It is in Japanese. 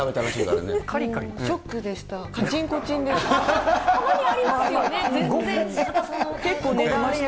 ショックでした。